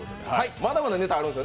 まだまだネタあります。